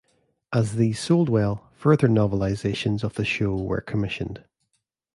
As these sold well further novelisations of the show were commissioned.